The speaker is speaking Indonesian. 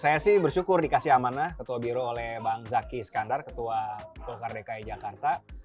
saya sih bersyukur dikasih amanah ketua biro oleh bang zaky skandar ketua golkar dki jakarta